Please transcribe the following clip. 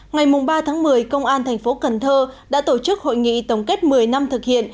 ngày ba tháng một mươi công an thành phố cần thơ đã tổ chức hội nghị tổng kết một mươi năm thực hiện